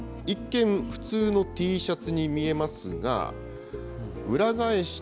一見、普通のＴシャツに見えますが。